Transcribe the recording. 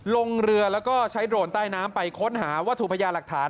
ลงเรือแล้วก็ใช้โดรนใต้น้ำไปค้นหาวัตถุพยาหลักฐาน